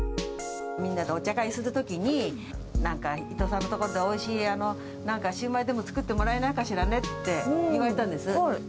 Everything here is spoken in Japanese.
みんなでお茶会するときに、なんか、伊藤さんのとこでおいしい、なんかシューマイでも作ってもらえないかしらねって、言われたんです。